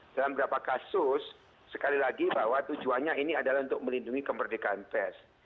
dalam beberapa kasus sekali lagi bahwa tujuannya ini adalah untuk melindungi kemerdekaan pers